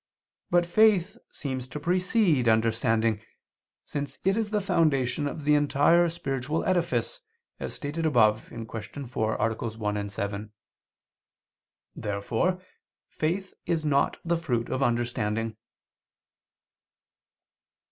But faith seems to precede understanding, since it is the foundation of the entire spiritual edifice, as stated above (Q. 4, AA. 1, 7). Therefore faith is not the fruit of understanding.